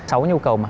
sáu nhu cầu mà